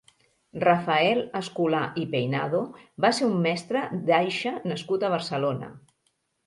Rafael Escolà i Peinado va ser un mestre d'aixa nascut a Barcelona.